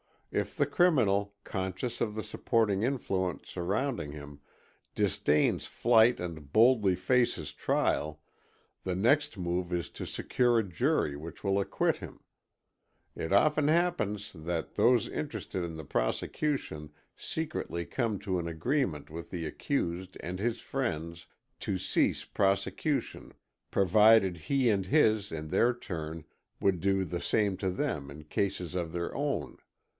If the criminal, conscious of the supporting influence surrounding him, disdains flight and boldly faces trial, the next move is to secure a jury which will acquit him. It often happens that those interested in the prosecution secretly come to an agreement with the accused and his friends to cease prosecution provided he and his in their turn would do the same to them in cases of their own.